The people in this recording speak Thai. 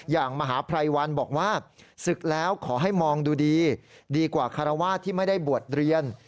มหาภัยวันบอกว่าศึกแล้วขอให้มองดูดีดีกว่าคารวาสที่ไม่ได้บวชเรียน